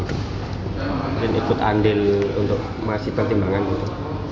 mungkin ikut andil untuk masih pertimbangan itu